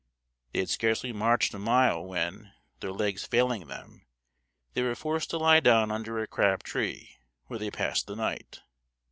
They had scarcely marched a mile when, their legs failing them, they were forced to lie down under a crab tree, where they passed the night.